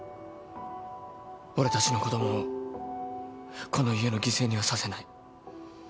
俺たちの子供をこの家の犠牲にはさせない。